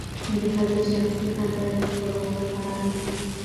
د ښځې شخصي خبرې خپرول حرام دي.